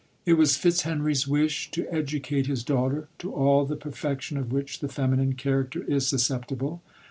It was Fitzhenry's wish to educate his daughter to all the perfection of which the feminine character is susceptible.